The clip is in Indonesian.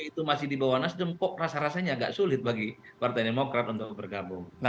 itu masih di bawah nasdem kok rasa rasanya agak sulit bagi partai demokrat untuk bergabung